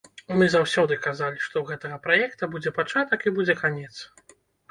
Мы заўсёды казалі, што ў гэтага праекта будзе пачатак і будзе канец.